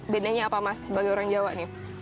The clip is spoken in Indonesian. bedanya apa mas sebagai orang jawa nih